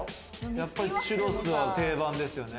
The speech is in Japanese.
やっぱりチュロスは定番ですよね。